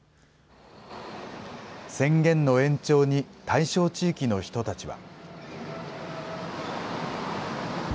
宣言の延長に、対象地域の人たちは。